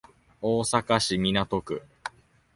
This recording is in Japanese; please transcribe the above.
大阪市港区